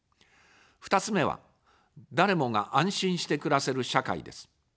２つ目は、誰もが安心して暮らせる社会です。